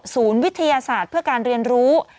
วิทยาศาสตร์เพื่อการเรียนรู้